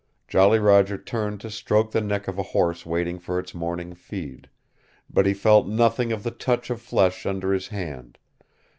Jolly Roger turned to stroke the neck of a horse waiting for its morning feed. But he felt nothing of the touch of flesh under his hand.